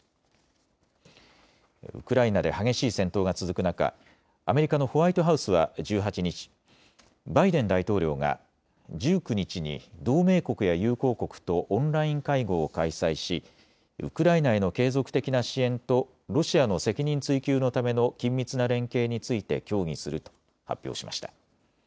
ウクライナで激しい戦闘が続く中、アメリカのホワイトハウスは１８日、バイデン大統領が１９日に同盟国や友好国とオンライン会合を開催しウクライナへの継続的な支援とロシアの責任追及のための緊密な連携について協議すると発表しました。